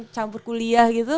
campur kuliah gitu